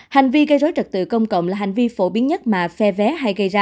hành vi gây rối trật tự công cộng là hành vi phổ biến nhất mà phe vé hay gây ra